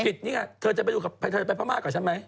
พี่นี่ไงเธอจะไปพม่ากับฉันไหม